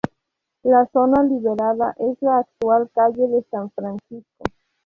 La zona liberada es la actual calle de San Francisco.